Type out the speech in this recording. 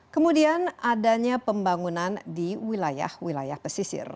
kemudian adanya pembangunan di wilayah wilayah pesisir